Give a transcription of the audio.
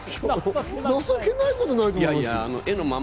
情けないことないと思います。